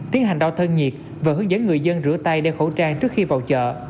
tiến hành đo thân nhiệt và hướng dẫn người dân rửa tay đeo khẩu trang trước khi vào chợ